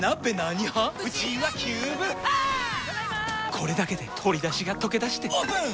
これだけで鶏だしがとけだしてオープン！